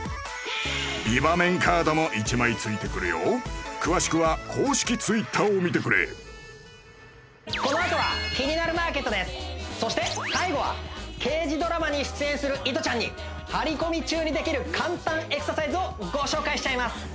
美バメンカードも１枚付いてくるよ詳しくは公式Ｔｗｉｔｔｅｒを見てくれそして最後は刑事ドラマに出演するいとちゃんに張り込み中にできる簡単エクササイズをご紹介しちゃいます